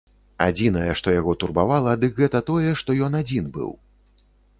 Адзінае, што яго турбавала, дык гэта тое, што ён адзін быў.